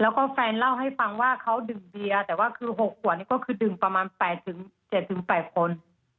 แล้วก็แฟนเล่าให้ฟังว่าเขาดื่มเบียร์แต่ว่าคือ๖ขวดนี่ก็คือดื่มประมาณ๘๗๘คน